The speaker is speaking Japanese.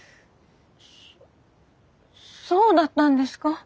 そそうだったんですか？